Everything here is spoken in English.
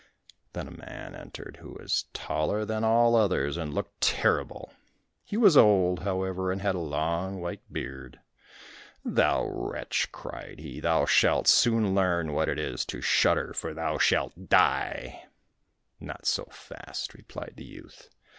Then a man entered who was taller than all others, and looked terrible. He was old, however, and had a long white beard. "Thou wretch," cried he, "thou shalt soon learn what it is to shudder, for thou shalt die." "Not so fast," replied the youth.